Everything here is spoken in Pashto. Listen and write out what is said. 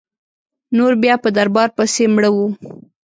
نور بیا په دربار پسي مړه وه.